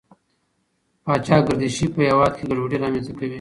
پاچا ګردشي په هېواد کې ګډوډي رامنځته کوي.